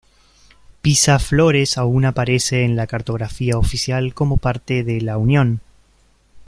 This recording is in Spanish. Pisa Flores aún aparece en la cartografía oficial como parte de La Unión.